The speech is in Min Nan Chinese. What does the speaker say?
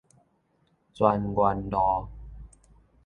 泉源路